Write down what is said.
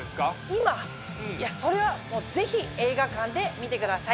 いやそれはもうぜひ映画館で見てください。